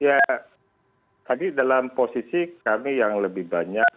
ya tadi dalam posisi kami yang lebih banyak